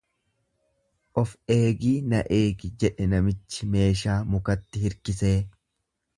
Of eegii na eegi jedhe namichi meeshaa mukatti hirkisee.